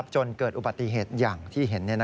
จนเกิดอุบัติเหตุอย่างที่เห็น